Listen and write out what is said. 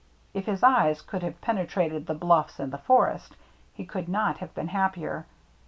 If his eyes could have penetrated the bluffs and the forest, he would not have been happier.